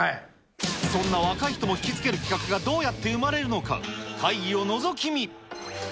そんな若い人も引き付ける企画がどうやって生まれるのか、会議をのぞき見。